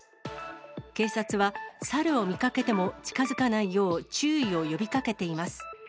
警察は、サルを見かけても近づかないよう注意を呼びかけています。